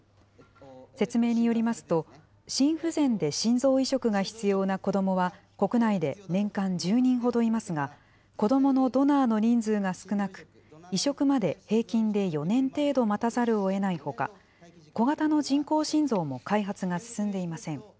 説明によりますと、心不全で心臓移植が必要な子どもは、国内で年間１０人ほどいますが、子どものドナーの人数が少なく、移植まで平均で４年程度待たざるをえないほか、小型の人工心臓も開発が進んでいません。